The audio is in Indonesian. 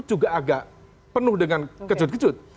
juga agak penuh dengan kejut kejut